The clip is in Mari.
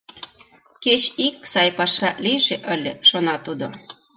Кеч ик «сай» паша лийже ыле!» — шона тудо.